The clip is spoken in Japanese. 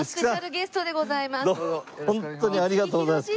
ホントにありがとうございます。